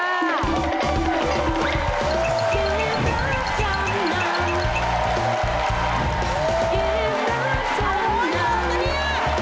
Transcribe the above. อร่อยมากหรือนี่